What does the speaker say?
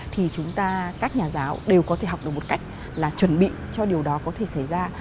thì chúng ta các nhà giáo đều có thể học được một cách là chuẩn bị cho điều đó có thể xảy ra